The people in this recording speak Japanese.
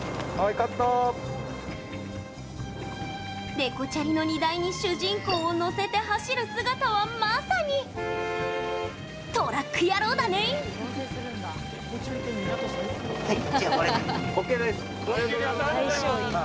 デコチャリの荷台に主人公を乗せて走る姿はまさにＯＫです。